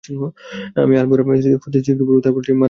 আমি আলমোড়া হতে শীঘ্র ফিরব, তারপর মান্দ্রাজ যাওয়া হতে পারে।